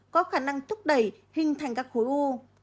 có khả năng thúc đẩy hình thành các khối u